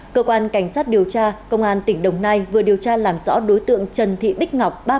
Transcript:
cơ quan cảnh sát điều tra công an tỉnh đồng nai vừa điều tra làm rõ đối tượng trần thị bích ngọc